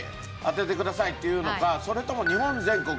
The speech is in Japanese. それとも日本全国